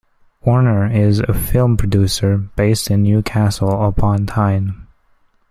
Horner is a film producer based in Newcastle upon Tyne.